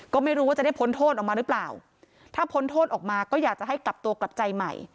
ก็ไม่รู้ว่าจะได้พ้นโทษออกมาหรือเปล่าถ้าพ้นโทษออกมาก็อยากจะให้กลับตัวกลับใจใหม่